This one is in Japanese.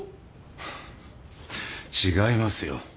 ハッ違いますよ。